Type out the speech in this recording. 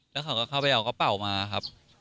แล้วเขาก็เข้าไปเอากระเป๋ามาครับ